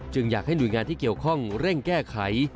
อยากให้หน่วยงานที่เกี่ยวข้องเร่งแก้ไข